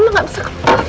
mama gak bisa kembali